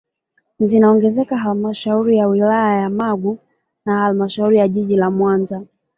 Zinaongezeka halmashauri ya wilaya ya Magu na halmashauri ya jiji la Mwanza